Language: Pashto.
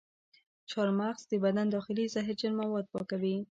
چارمغز د بدن داخلي زهرجن مواد پاکوي.